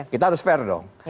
kita harus fair dong